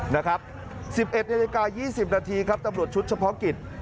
๑๑นาฬิกา๒๐นาทีตำรวจชุดเฉพาะกิจ